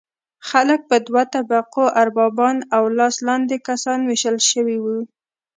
خلک په دوه طبقو اربابان او لاس لاندې کسان ویشل شوي وو.